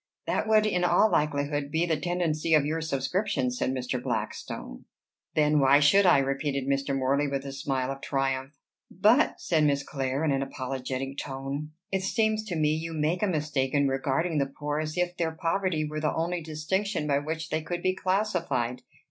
"That would in all likelihood be the tendency of your subscription," said Mr. Blackstone. "Then why should I?" repeated Mr. Morley with a smile of triumph. "But," said Miss Clare, in an apologetic tone, "it seems to me you make a mistake in regarding the poor as if their poverty were the only distinction by which they could be classified.